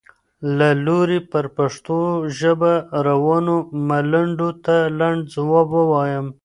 له لوري پر پښتو ژبه روانو ملنډو ته لنډ ځواب ووایم.